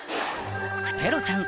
ペロちゃん